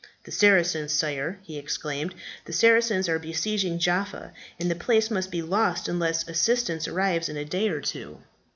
"The Saracens, sire!" he exclaimed. "The Saracens are besieging Jaffa, and the place must be lost unless assistance arrives in a day or two."